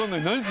何？